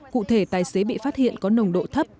cụ thể tài xế bị phát hiện có nồng độ thấp